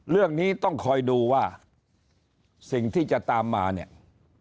เรื่องนี้ต้องคอยดูว่าสิ่งที่จะตามมาเนี่ย